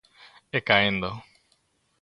E caendo.